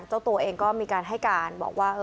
เจ้าตัวเองก็มีการให้การบอกว่า